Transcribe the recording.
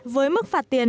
với mức phạt tiền